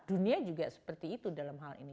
dunia juga seperti itu dalam hal ini